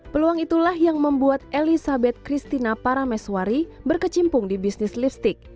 peluang itulah yang membuat elizabeth christina parameswari berkecimpung di bisnis lipstick